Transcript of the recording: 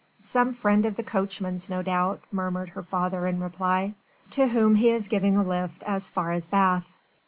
"Some friend of the coachman's, no doubt," murmured her father in reply, "to whom he is giving a lift as far as Bath."